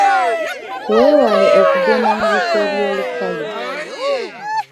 Weewale okugenda mu bifo eby'olukale.